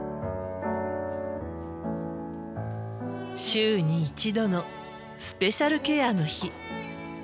週に１度のスペシャルケアの日。